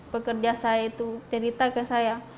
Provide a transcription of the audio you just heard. pekerja saya itu cerita ke saya